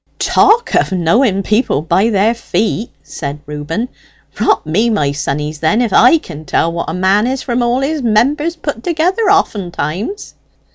"Talk of knowing people by their feet!" said Reuben. "Rot me, my sonnies, then, if I can tell what a man is from all his members put together, oftentimes."